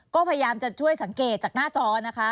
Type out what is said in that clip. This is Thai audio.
ก็พยายามจะช่วยสังเกตจากหน้าจอนะคะ